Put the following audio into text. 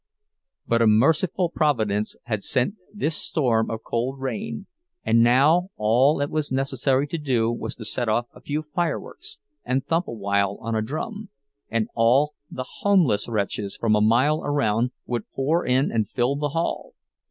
But a merciful providence had sent this storm of cold rain—and now all it was necessary to do was to set off a few fireworks, and thump awhile on a drum, and all the homeless wretches from a mile around would pour in and fill the hall!